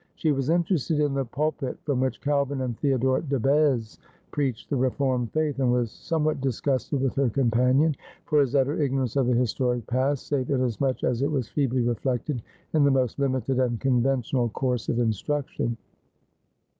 She was interested in the pulpit from which Calvin and Theodore de Beze preached the Reformed Faith, and was some what disgusted with her companion for his utter ignorance of the historic past, save inasmuch as it was feebly reflected in the most limited and conventional course of instruction.